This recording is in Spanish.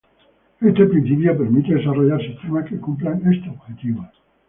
Este principio permite desarrollar sistemas que cumplan este objetivo.